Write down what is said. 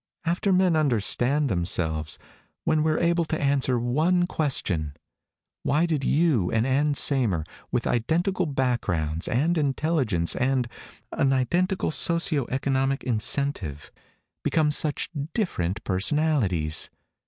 "After men understand themselves. When we're able to answer one question: why did you and Ann Saymer, with identical backgrounds, and intelligence, and an identical socio economic incentive, become such different personalities?